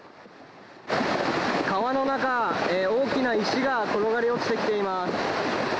川の中、大きな石が転がり落ちてきています。